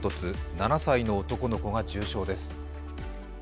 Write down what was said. ７歳の男の子が重傷です。